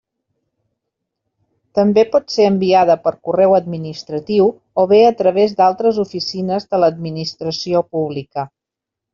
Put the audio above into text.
També pot ser enviada per correu administratiu, o bé a través d'altres oficines de l'Administració Pública.